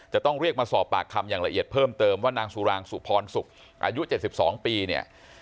จะต้องเรียกมาสอบปากคำอย่างละเอียดเพิ่มเติมว่านางสุรางสุพรศุกร์อายุ๗๒ปีเนี่ย